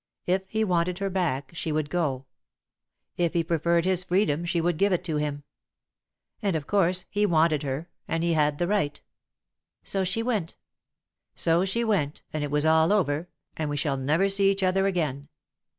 If he wanted her back, she would go; if he preferred his freedom, she would give it to him. And, of course, he wanted her, and he had the right." "So she went." "So she went, and it was all over, and we shall never see each other again."